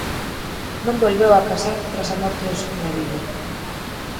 Non volveu a casar tras a morte do seu marido.